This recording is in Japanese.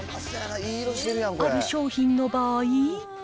ある商品の場合。